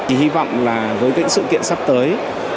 chỉ hy vọng là với những sự kiện sắp tới